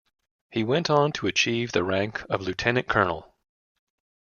He went on to achieve the rank of lieutenant-colonel.